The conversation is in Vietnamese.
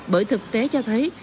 bởi thực tế cho thấy